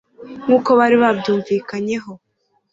nk'uko bari babyumvikanyeho